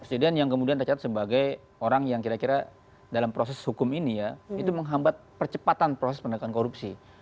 presiden yang kemudian tercatat sebagai orang yang kira kira dalam proses hukum ini ya itu menghambat percepatan proses penegakan korupsi